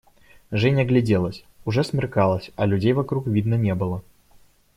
Женя огляделась: уже смеркалось, а людей вокруг видно не было.